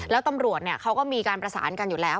แล้วตำรวจเขาก็มีการประสานกันอยู่แล้ว